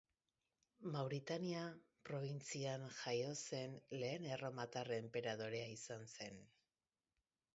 Mauretania probintzian jaio zen lehen erromatar enperadorea izan zen.